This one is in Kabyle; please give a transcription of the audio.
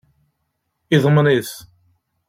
Yeḍmen-it.